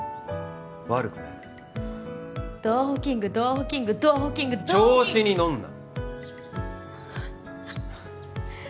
悪くないドアホキングドアホキングドアホキング調子に乗んな！